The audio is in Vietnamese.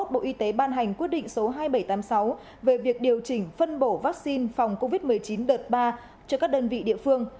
bộ y tế ban hành quyết định số hai nghìn bảy trăm tám mươi sáu về việc điều chỉnh phân bổ vaccine phòng covid một mươi chín đợt ba cho các đơn vị địa phương